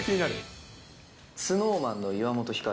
ＳｎｏｗＭａｎの岩本照。